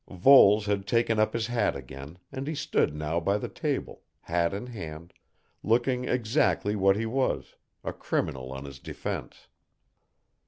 Voles had taken up his hat again, and he stood now by the table, hat in hand, looking exactly what he was, a criminal on his defence.